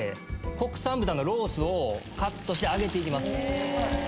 国産豚のロースをカットして揚げていきます。